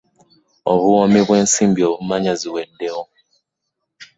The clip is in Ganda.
Obuwoomi bw'ensimbi obumanya ziweddewo.